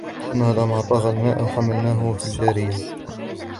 إِنَّا لَمَّا طَغَى الْمَاء حَمَلْنَاكُمْ فِي الْجَارِيَةِ